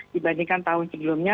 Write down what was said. dibandingkan tahun sebelumnya